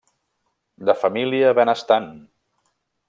De família benestant.